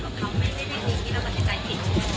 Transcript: ไม่มีที่เราจัดสินใจผิด